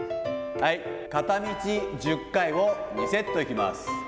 片道１０回を２セットいきます。